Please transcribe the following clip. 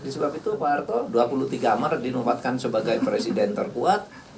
sebab itu pak harto dua puluh tiga amar dinobatkan sebagai presiden terkuat